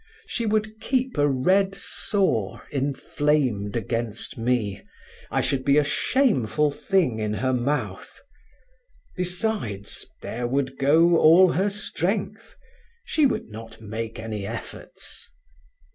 She would keep a red sore inflamed against me; I should be a shameful thing in her mouth. Besides, there would go all her strength. She would not make any efforts.